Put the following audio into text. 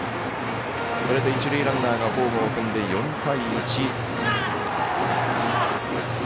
これで一塁ランナーがホームを踏んで４対１。